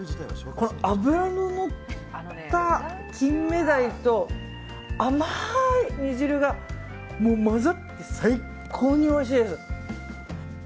脂ののった金目鯛と甘い煮汁が混ざって最高においしいです。